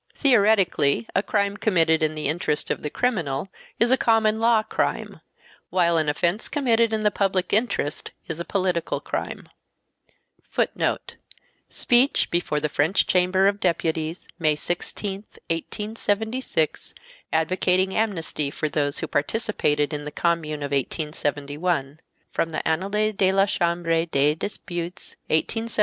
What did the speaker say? . theoretically a crime committed in the interest of the criminal is a common law crime, while an offense committed in the public interest is a political crime." Speech before the French Chamber of Deputies May 16, 1876, advocating amnesty for those who participated in the Commune of 1871. From the Annales de la Chambre des Députés, 1876, v.